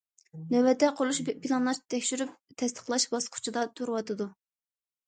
نۆۋەتتە قۇرۇلۇش پىلانلاش تەكشۈرۈپ تەستىقلاش باسقۇچىدا تۇرۇۋاتىدۇ.